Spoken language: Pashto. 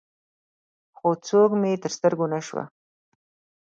خو څوک مې تر سترګو نه شو.